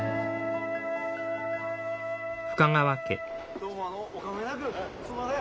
・どうもあのお構いなく。すんまへん。